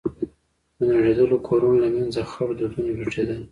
د نړېدلو كورونو له منځه خړ دودونه لټېدل.